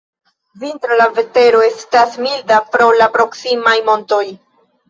Vintre la vetero estas milda pro la proksimaj montoj.